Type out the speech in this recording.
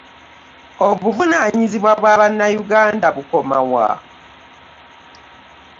Obuvunanyizibwa bwa bannayuganda bukoma wa?